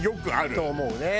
と思うね。